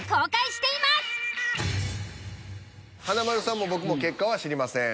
華丸さんも僕も結果は知りません。